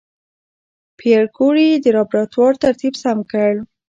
پېیر کوري د لابراتوار ترتیب سم کړ.